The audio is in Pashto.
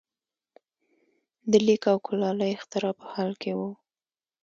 د لیک او کولالۍ اختراع په حال کې وو.